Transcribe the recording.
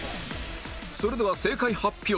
それでは正解発表